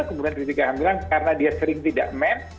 kemudian ketika hamilan karena dia sering tidak men